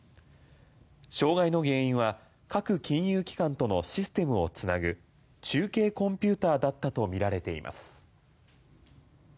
障害の原因は各金融機関とのシステムを繋ぐ中継コンピューターだったとみられています。